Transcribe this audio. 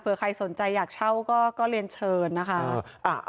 เพื่อใครสนใจอยากเช่าก็เรียนเชิญนะคะ